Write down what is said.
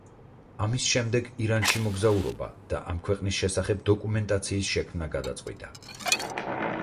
ამის შემდეგ ირანში მოგზაურობა და ამ ქვეყნის შესახებ დოკუმენტაციის შექმნა გადაწყვიტა.